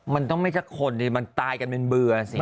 มันต้องไม่สักคนดิมันตายกันเป็นเบื่อสิ